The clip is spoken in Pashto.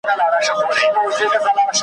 وینا نه وه بلکه غپا یې کوله .